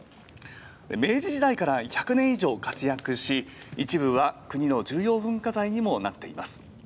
明治時代から１００年以上活躍し、一部は国の重要文化財にもなっています。